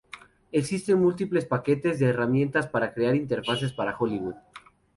Existen múltiples paquetes de herramientas para crear interfaces para Hollywood.